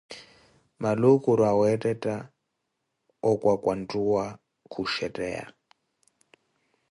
maluukuro aweettetta okwakwanttuwa ku shetteya.